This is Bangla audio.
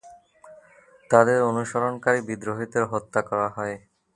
তাদের অনুসরণকারী বিদ্রোহীদের হত্যা করা হয়।